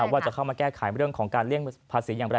ว่าจะเข้ามาแก้ไขเรื่องของการเลี่ยงภาษีอย่างไร